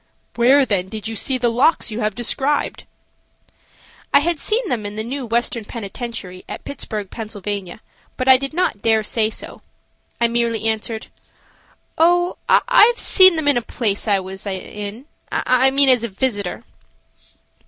"Where then did you see the locks you have described?" I had seen them in the new Western Penitentiary at Pittsburg, Pa., but I did not dare say so. I merely answered: "Oh, I have seen them in a place I was in–I mean as a visitor."